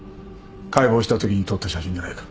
解剖したときに撮った写真じゃないか。